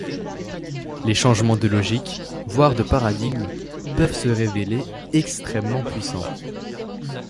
Les changements de logique, voir de paradigme, peuvent se révéler extrêment puissants.